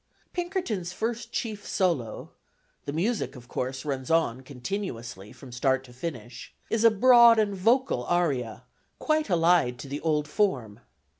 Pinkerton's first chief solo the music, of course, runs on continuously from start to finish is a broad and vocal aria, quite allied to the old form.